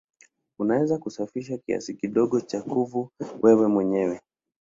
Unaweza kusafisha kiasi kidogo cha kuvu wewe mwenyewe.